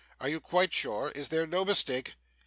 Are you quite sure? Is there no mistake?